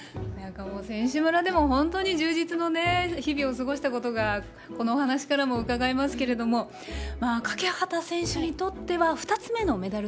選手村でも充実の日々を過ごしたことがこのお話からもうかがえますけれども欠端選手にとっては２つ目のメダル。